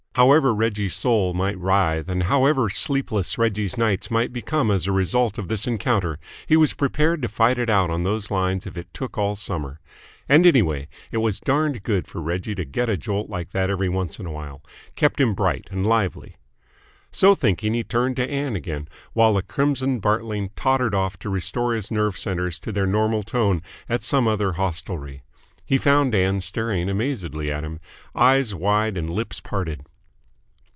However Reggie's soul might writhe and however sleepless Reggie's nights might become as a result of this encounter, he was prepared to fight it out on those lines if it took all summer. And, anyway, it was darned good for Reggie to get a jolt like that every once in a while. Kept him bright and lively. So thinking, he turned to Ann again, while the crimson Bartling tottered off to restore his nerve centres to their normal tone at some other hostelry. He found Ann staring amazedly at him, eyes wide and lips parted.